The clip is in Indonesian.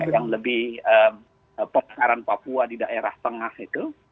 yang lebih pemekaran papua di daerah tengah itu